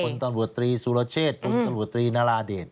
ตำรวจตรีสุรเชษพลตำรวจตรีนาราเดช